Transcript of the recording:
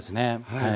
はい。